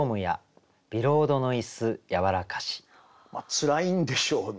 つらいんでしょうね